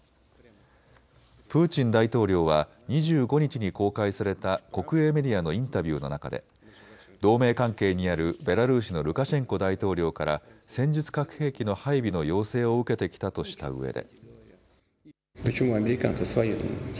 プーチン大統領は２５日に公開された国営メディアのインタビューの中で同盟関係にあるベラルーシのルカシェンコ大統領から戦術核兵器の配備の要請を受けてきたとしたうえで。